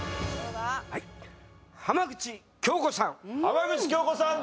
浜口京子さん